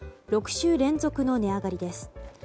６週連続の値上がりです。